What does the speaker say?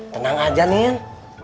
tenang aja nin